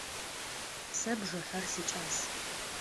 Сэ бжыхьэр сикӏас.